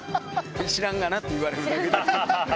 知らんがなって言われる。